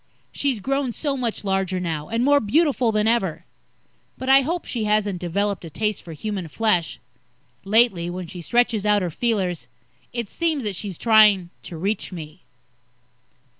She's grown so much larger now, and more beautiful than ever. But I hope she hasn't developed a taste for human flesh. Lately, when she stretches out her feelers, it seems that she's trying to reach me.